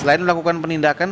selain melakukan penindakan